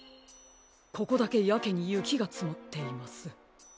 ここだけやけにゆきがつもっています。